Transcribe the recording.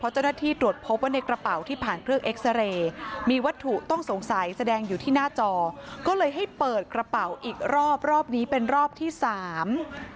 ใช่ตอนนั้นเพิ่งเริ่ม